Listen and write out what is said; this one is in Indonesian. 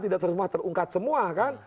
tidak semua terungkap semua kan